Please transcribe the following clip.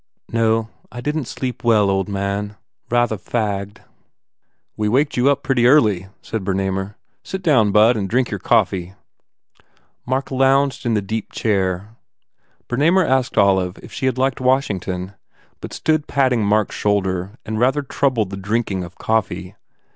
"No, I didn t sleep well, old man. Rather fagged." "We waked you up pretty early," said Berna mer, "Sit down, bud, and drink your coffee." Mark lounged in the deep chair. Bernamer asked Olive if she had liked Washington but stood patting Mark s shoulder and rather troubled the drinking of coffee.